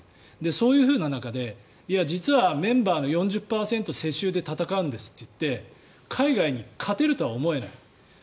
そういう中で実はメンバーの４０％世襲で戦うんですといって海外に勝てるとは思えない。